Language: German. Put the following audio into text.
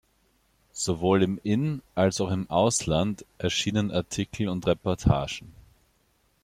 Sowohl im In- als auch im Ausland erschienen Artikel und Reportagen.